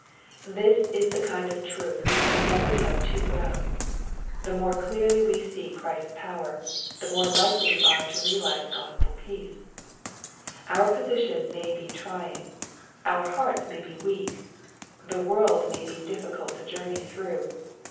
This is the kind of truth we never can know too well The more clearly we see Christ's power, the more likely we are to realize (}ospel peace. Our position may be trying. Our hearts may be weak. The world may be difficult to journey through.